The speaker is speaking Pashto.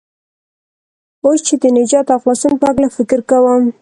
اوس چې د نجات او خلاصون په هلکه فکر کوم.